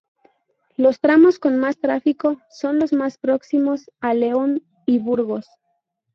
Los tramos con más tráfico son los más próximos a León y Burgos.